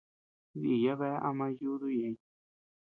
Diya bea ama yuduu ñeʼëñ.